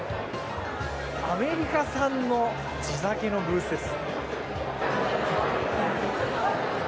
アメリカ産の地酒のブースです。